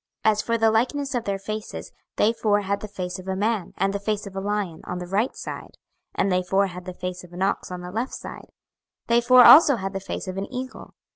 26:001:010 As for the likeness of their faces, they four had the face of a man, and the face of a lion, on the right side: and they four had the face of an ox on the left side; they four also had the face of an eagle.